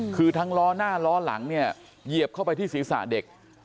คือทั้งล้อหน้าล้อหลังเนี่ยเหยียบเข้าไปที่ศีรษะเด็ก